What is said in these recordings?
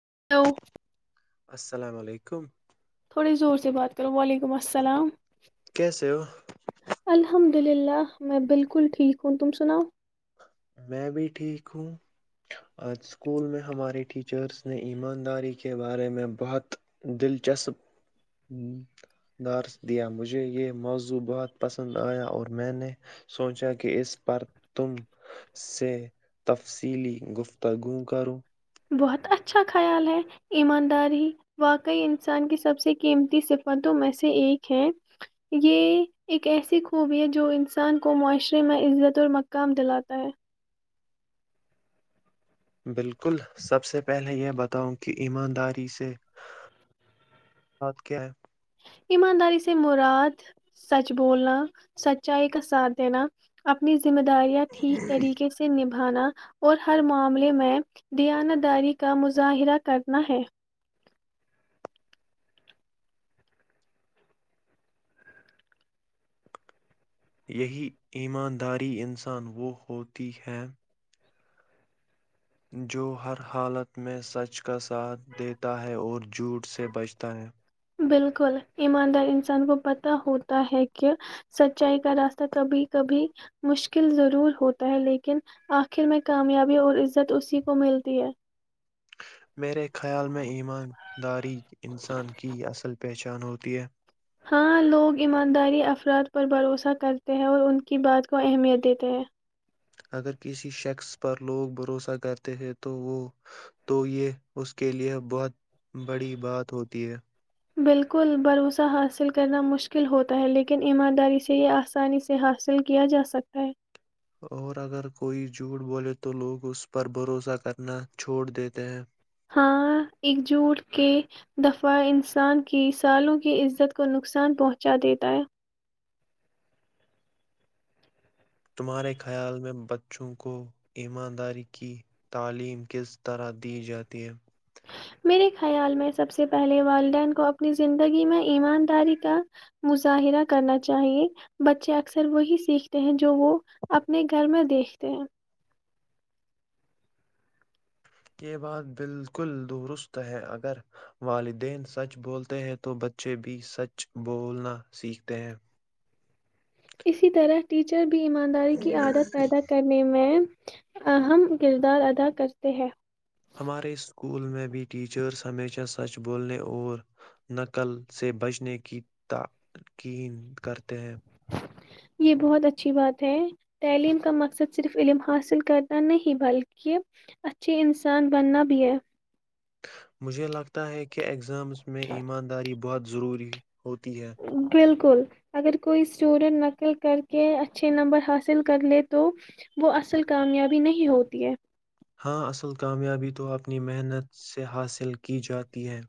[inaudible] السلام و علیکم تھوڑے زور سے بات کرو وعلیکم السلام کیسے ہو الحمد للہ میں بالکل ٹھیک ہوں تم سناؤ میں بھی ٹھیک ہوں اج اسکول میں ہمارے ٹیچرس نے ایمانداری کے بارے میں بہت دلچسپ دار دیا مجھے یہ موضوع بہت پسند آیا اور میں نے سوچا کہ اس پر تم سے تفصیلی گفتگو کروں بہت اچھا خیال ہے ایمانداری واقعی انسان کی سب سے قیمتی صفتوں میں سے ایک ہے یہ ایک ایسی خوبی ہے جو انسان کو معاشرے میں عزت اور مقام دلاتا ہے بالکل سب سے پہلے یہ بتاؤ کہ ایمانداری سے بات کیا ہے ایمانداری سے مراد سچ بولنا سچائی کا ساتھ دینا اپنی ذمہ داریاں ٹھیک طریقے سے نب بھانا اور ہر معاملے میں دیانا داری کا مظاہرہ کرنا ہے یہی ایمانداری انسان وہ ہوتی ہیں جو ہر حالت میں سچ کا ساتھ دیتا ہے اور جھوٹ سے بچتا ہے بالکل ایماندار انسان کو پت ہوتا ہے کہ سچائی کا راستہ کبھی کبھی مشکل ضرور ہوتا ہے لیکن آخر میں کامیابی اور عزت اسی کو ملتی ہے میرے خیال میں ایمانداری انسان کی اصل پہچان ہوتی ہے ہاں لوگ ایمانداری افراد پر بھروسہ کرتے ہیں اور ان کی بات کو اہمیت دیتے ہیں اگر کسی شخص پر لوگ بھروسہ کرتے ہیں تو وہ تو یہ اس کے لئے بہت بڑی بات ہوتی ہے بالکل بھروسہ حاصل کرنا مشکل ہوتا ہے لیکن ایمانداری سے یہ آسانی سے حاصل کیا جاسکتا ہے اور اگر کوئی جھوٹ بولے تو لوگ اس پر بھروسہ کرنا چھوڑ دیتے ہیں ہاں ایکجوٹ کے دفعہ انسان کی سالوں کی عزت کو نقصان پہنچا دیتا ہے تمہارے خیال میں بچوں کو ایمانداری کی تعلیم کس طرح دی جاتی ہے میرے خیال میں سب سے پہلے والدین کو اپنی زندگی میں ایمانداری کا مظاہرہ کرنا چاہیے بچے اکثر وہی سیکھتے ہیں جو وہ اپنے گھر میں دیکھتے ہیں یہ بات بالکل درست ہے اگر والدین سچ بولتے ہیں تو بچے بھی سچ بولنا سیکھتے ہیں اسی طرح ٹیچر ایمانداری کی عادت پیدا کرنے میں اہم کردار ادا کرتے ہیں ہمارے اسکول میں بھی ٹیچرس ہمیشہ سچ بولنے اور نقل سے بچنے کی تاکین کرتے ہیں یہ بہت اچھی بات ہے تعلیم کا مقصد صرف علم حاصل کرنا نہیں بلکہ اچھے انسان بننا بھی ہے مجھے لگتا ہے کہ اگزامس میں ایمانداری بہت ضروری ہوتی ہے بالکل اگر کوئی اسٹوڈینٹ نقل کر کے اچھے نمبر حاصل کر لے تو وہ اصل کامیابی نہیں ہوتی ہے ہاں اصل کامیابی تو اپنی محنت سے حاصل کی جاتی ہے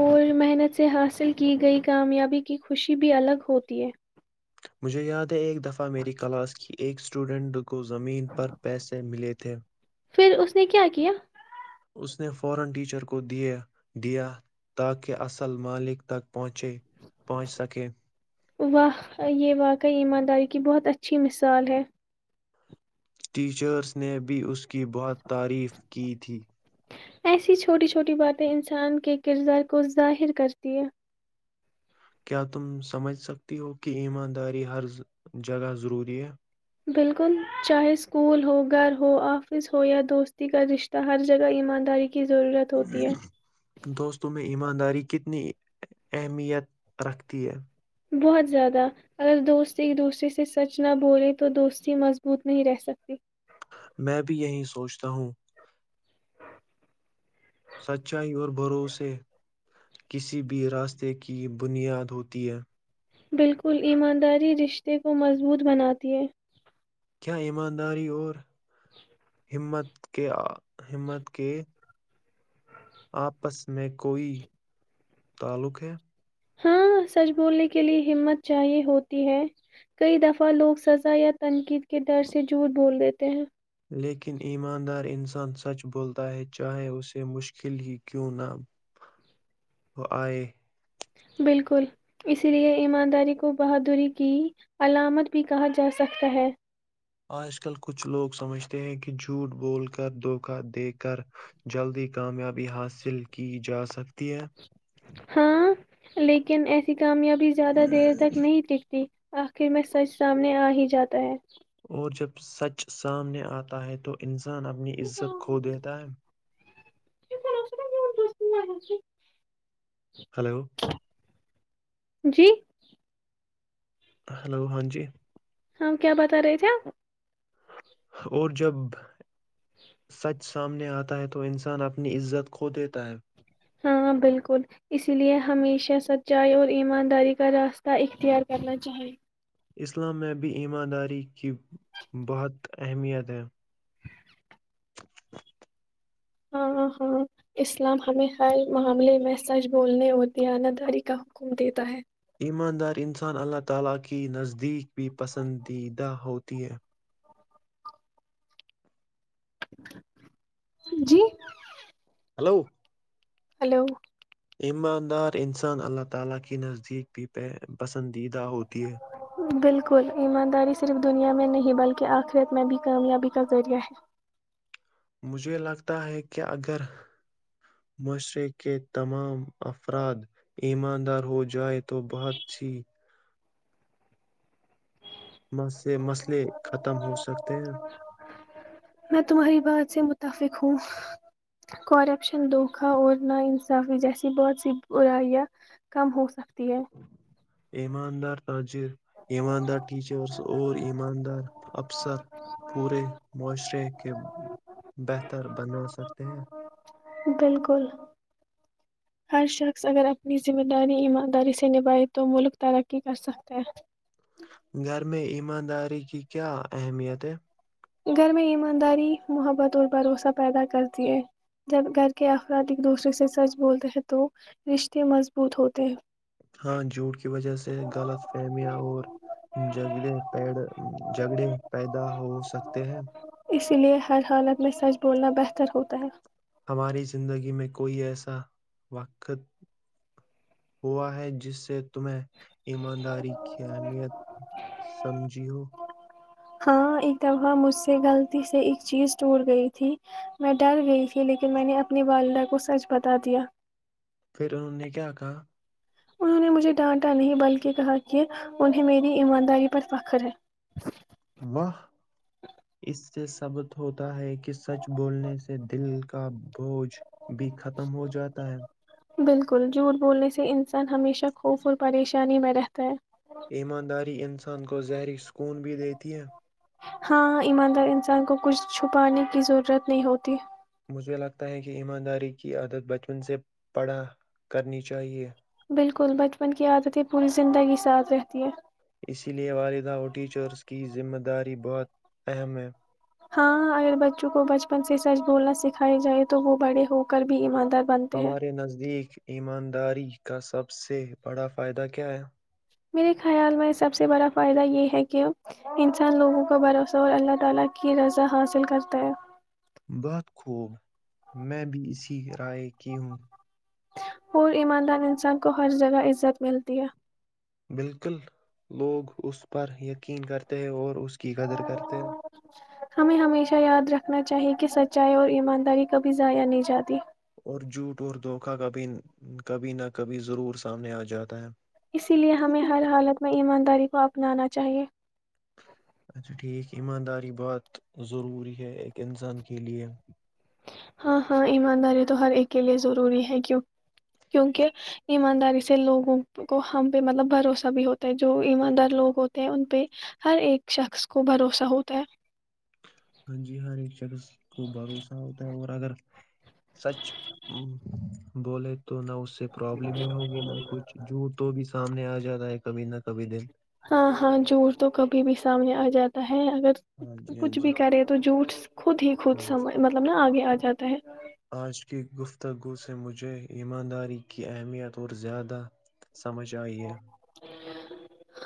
اور محنت سے حاصل کی گئی کامیابی کی خوشی بھی الگ ہوتی ہے مجھے یاد ایک دفعہ میری کلاس کی ایک اسٹوڈنٹ کو زمین پر پیسے ملے تھے پھر اس نے کیا کیا اس نے [unintelligible] واہ یہ واقعی ایمانداری کی بہت اچھی مثال ہے ٹیچرس نے بھی اس کی بہت تعریف کی تھی ایسی چھوٹی چھوٹی باتیں انسان کے کردار کو ظاہر کرتی ہیں کیا تم سمجھ سکتی ہو کہ ایمانداری ہر جگہ ضروری ہے بالکل چاہے اسکول ہو گھر ہو آفس ہو یا دوستی کا رشتہ ہر جگہ ایمانداری کی ضرورت ہوتی ہے دوستوں میں ایمانداری کی کتنی اہمیت رکھتی ہے بہت زیادہ اگر دوست ایک دوسرے سے سچ نہ بولے تو دوستی مضبوط نہیں رہ سکتی میں بھی یہی سوچتا ہوں سچائی اور بھروسے کسی بھی راستے کی بنیاد ہوتی ہے بالکل ایمانداری رشتے کو مضبوط بن دے کیا ایمانداری اور جچ ہمت کے ہمت کے آپس میں کوئی تعلق ہے ہاں سچ بولنے کے لیے ہمت چاہیے ہوتی ہے کئی دفعہ لوگ سزا یا تنقید کے ڈر سے جھوٹ بول دیتے ہیں لیکن ایماندار انسان سچ بولتا ہے چاہے اسے مشکل ہی کیوں نہ وہ آئے بالکل اسی لے ایمانداری کو بہادری کی علامت بھی کہا جا سکتا ہے آج کل کچھ لوگ سمجھتے ہیں کہ جھوٹ بول کر دھوکہ دے کر جلدی کامیابی حاصل کی جا سک ہاں لیکن ایسی کامیابی زیادہ دیر تک نہیں ٹکتی آخر میں سچ سامنے آ ہی جاتا ہے اور جب سچ سامنے آتا ہے تو ان انسان اپنی عزت کھو دیتا ہے با دوست مارا [unintelligible] ہلو جی ہیلو ہاں جی ہماں کیا بتا رہے تھے آپ اور جب سچ [unintelligible] سامنے آتا ہے تو انسان اپنی عزت کھو دیتا ہے ہاں بالکل اس لیے ہمیشہ سچائی اور ایمانداری کا راستہ اختیار کرنا چاہیے اسلام میں بھی ایمانداری کی بہت اہمیت ہے [inaudible] ہاں ہاں اسلام ہمیں ہر معاملے میں سچ بولنے اور دیانت داری کا حکم دیتا ہے ایماندار انسان اللہ تعالی کے نزدیک بھی پسندیدہ ہوتی ہے جی ہلو ہلو ہ بالکل ایمانداری صرف دنیا میں نہیں بلکہ کے آخرت میں بھی کامیابی کا ذریعہ ہے مجھے لگتا ہے کہ اگر معاشرے کے تمام افراد ایماندار ہو جائے تو بہت سی بس سے مسئلے ختم ہو سکتے ہیں میں تمہاری بات سے متفق ہوں کرپشن دھوکا اور نا انصافی جیسی بہت سی برائیاں کم ہو سکتی تی ہے ایماندار تج ایماندار ٹیچرس اور ایماندار افسر پورے معاشرے کے بہتر بنا سکتے ہیں ہ گھر میں ایمانداری کی کیا اہمیت ہے گھر میں ایمانداری محبت اور بھروسہ پیدا کرتی ہے جب گھر کے افراد ایک دوسرے سے سچ بولتے ہیں تو رشتے مضبوط ہوتے ہیں ہاں جھوٹ کی وجہ سے غلط فہمیاں اور جگے پ جھگڑے پیدا ہو سکتے ت ہیں اسی لیے ہر حالت میں سچ بولنا بہتر ہوتا ہے ہماری زندگی میں کوئی ایسا وقت ہوا ہے جس سے تمیں ایمانداری کی اہمیت سمجھی ہو ہاں ایک دفعہ مجھ سے غلطی سے ایک چیز ٹوٹ گئی تھی میں ڈر گئی تھی لیکن میں نے اپنی والدہ کو سچ بتا دیا پھر انہوں نے کیا کہا؟ انہوں نے مجھے ڈانٹا نہیں بلکہ کہا کہ انہیں میری ایمانداری پر فخر ہے واہ اس سے سبت ہوتا ہے کہ سچ بولنے سے دل کا بوجھ بھی ختم ہو جاتا ہے بالکل جھوٹ بولنے سے انسان ہمیشہ خوف اور پریشانی میں رہتا ہے ایمانداری انسان کو زہری سکون بھی دیتی ہے ہاں ایماندار انسان کو کچھ چھپانے کی ضرورت نہیں ہوتی مجھے لگتا ہے کہ ایمانداری کی عادت بچپن سے پڑھا کرنی چاہیے بالکل بچپن کی عادت یہ پوری زندگی ساتھ رہتی ہے اسی لیے والدہ اور ٹیچرز کی ذمہ داری بہت اہم ہے ہاں اگر بچوں کو بچپن سے سچ گولنا سکھیا جائے تو وہ بڑے ہو کر بھی ایمان ہمارے نزدیک ایمانداری کا سب سے بڑا فائدہ کیا ہے میرے خیال میں سب سے بڑا فائدہ یہ ہے کہ انسان لوگوں کو بھروسوں اور اللہ تعالی کی رضا حاصل کرتا ہے بات خوب میں بھی اسی رائے کی ہوں پور ایماندار انسان کو ہر جگہ عزت ملتی ہے بالکل لوگ اس پر یقین کرتے ہیں اور اس کی قدر کرتے ہیں ہمیں ہمیشہ یاد رکھنا چاہیے کہ سچ چائے اور ایمانداری کبھی ضائع نہیں جاتی اور جھوٹ اور دھوکا ک بھی کبھی نہ کبھی ضرور سامنے آ جاتا ہے اسی لیے ہمیں ہر حالت میں ایم داری کو اپنانا چاہیے اچھا ٹھیک ایمانداری بہت ضروری ہے ایک انسان کے لیے ہاں ہاں ایمانداری تو ہر ایک کے لیے ضروری ہے کی کیونکہ ایمانداری سے لوگوں کو ہم پہ مطلب بھروسہ بھی ہوتا ہے جو ایماندار لوگ ہوتے ہیں ان پہ ہر ایک شخص کو بھروسہ ہوتا ہے ہاں جی ہر ایک شخص کو بھروسہ ہوتا ہے اور اگر سچ بولے تو نہ اس سے پرابلم ہی ہوگی نہ کچھ جو تو بھی سامنے آ جاتا ہے کبھی نہ کبھی دن ہاں ہاں جور تو کبھی بھی سامنے آ جاتا ہے اگر ہاں جی ہاں کچھ بھی جی کرے تو جھوٹ خود ہی خود ہاں سم جی مطلب نا آگے آ جاتا ہے گفتگوں سے مجھے ایمانداری کی اہمیت اور زیادہ سمجھ آئی ہے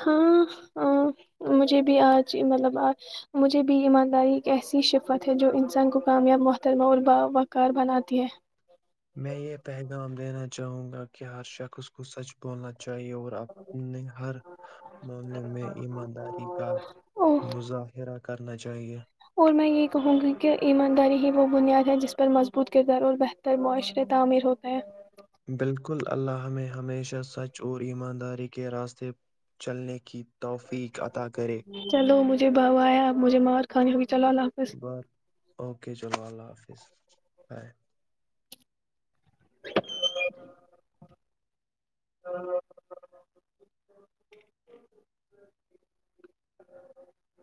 ہاں [inaudible] مجھے بھی آج مطلب مجھے بھی ایمانداری ایک ایسی شفت ہے جو انسان کو کامیاب محترمہ اور باوقار بناتی ہے میں یہ پیغام دینا چاہوں گا کہ ہر شخص اس کو سچ بولنا چاہیے اور اپنے ہر معاملے میں ایمانداری کا اور مظاہرہ کرنا چاہیے [inaudible] اور میں یہ کہوں گی کہ ایمانداری ہی وہ بنیاد ہے جس پر مضبوط کردار اور بہتر معاشرے تعمیر ہوتا ہے بالکل اللہ نے ہمیشہ سچ اور ایمانداری کے راستے چلنے کے چلو مجھے بو آیا مجھے مار کھان ابھی چلالہ حافظ بس اوکے [inaudible] ہ [inaudible]